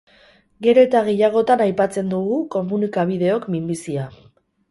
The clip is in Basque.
Gero eta gehiagotan aipatzen dugu komunikabideok minbizia.